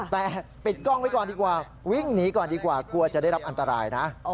แต่ปิดกล้องไว้ก่อนดีกว่าวิ่งหนีก่อนดีกว่ากลัวจะได้รับอันตรายนะ